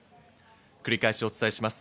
繰り返しお伝えします。